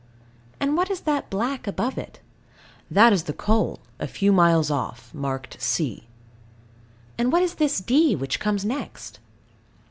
And what is that black above it? That is the coal, a few miles off, marked C. And what is this D, which comes next?